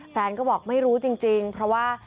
แฟนก็บอกไม่รู้จริงเพราะว่า